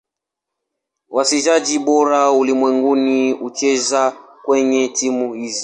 Wachezaji bora ulimwenguni hucheza kwenye timu hizi.